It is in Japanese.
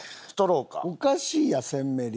おかしいやん『戦メリ』。